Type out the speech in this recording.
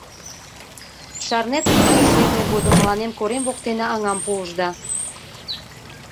— Шарнет, хуторыш лекме годым мыланем корем воктене аҥам пуышда.